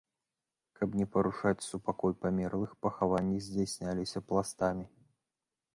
Каб не парушаць супакой памерлых, пахаванні здзяйсняліся пластамі.